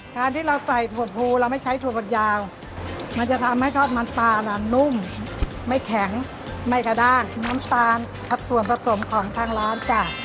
ที่เราใส่ถั่วภูเราไม่ใช้ถั่วบัดยาวมันจะทำให้ทอดมันปลาน่ะนุ่มไม่แข็งไม่กระด้างน้ำตาลครับส่วนผสมของทางร้านจ้ะ